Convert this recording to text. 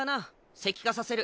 石化させる。